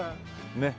ねっ。